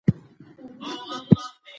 د میز سر له کاغذونو ډک دی.